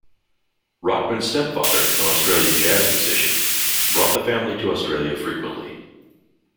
Rockman's stepfather, an Australian jazz musician, brought the family to Australia frequently.